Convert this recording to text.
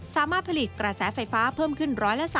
สามารถผลิตกระแสไฟฟ้าเพิ่มขึ้น๑๓